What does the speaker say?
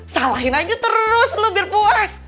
salahin aja terus lu biar puas